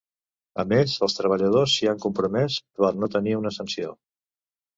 A més, els treballadors s’hi ha compromès per no tenir una sanció.